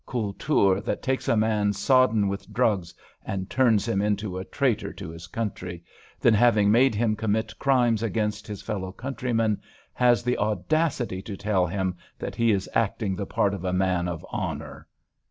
Kultur that takes a man sodden with drugs and turns him into a traitor to his country; then, having made him commit crimes against his fellow countrymen, has the audacity to tell him that he is acting the part of a man of honour!